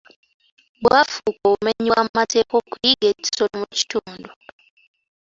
Bwafuuka obumenyi bw'amateeka okuyigga ekisolo mu kitundu.